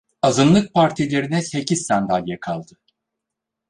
Azınlık partilerine sekiz sandalye kaldı.